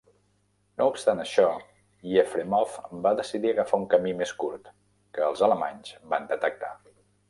No obstant això, Yefremov va decidir agafar un camí més curt, que els alemanys van detectar.